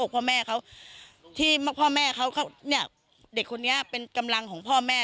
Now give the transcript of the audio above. พ่อแม่เขาที่พ่อแม่เขาเนี่ยเด็กคนนี้เป็นกำลังของพ่อแม่